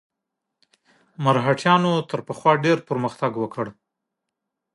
مرهټیانو تر پخوا ډېر پرمختګ وکړ.